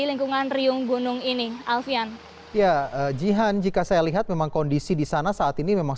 lingkungan riung gunung ini alfian ya jihan jika saya lihat memang kondisi di sana saat ini memang